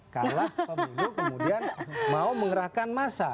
kalah pemilu kemudian mau mengerahkan massa